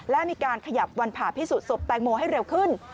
และมีการขยับวันผ่าพิสุทธิ์สุดแตกโมงให้เร็วขึ้น